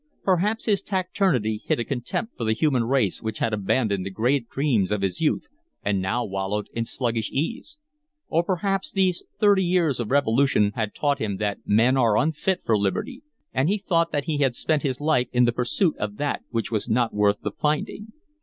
Perhaps his taciturnity hid a contempt for the human race which had abandoned the great dreams of his youth and now wallowed in sluggish ease; or perhaps these thirty years of revolution had taught him that men are unfit for liberty, and he thought that he had spent his life in the pursuit of that which was not worth the finding.